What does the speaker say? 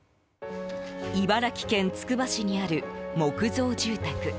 茨城県つくば市にある木造住宅。